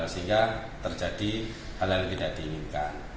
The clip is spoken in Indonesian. sehingga terjadi hal hal yang tidak diinginkan